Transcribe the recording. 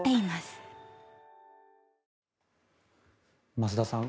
増田さん